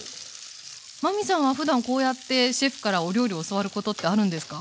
真海さんはふだんこうやってシェフからお料理を教わることってあるんですか？